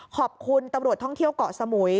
ขอบคุณตำรวจท่องเที่ยวเกาะสมุย